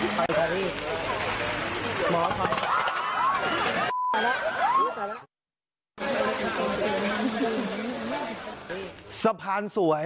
สะพานสวยสะพานสวย